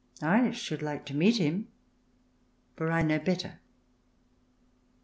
I should like to meet him, for I know better.